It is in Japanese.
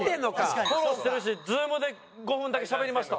フォローしてるしＺｏｏｍで５分だけしゃべりました。